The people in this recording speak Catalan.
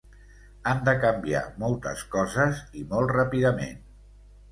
Han de canviar moltes coses i molt ràpidament.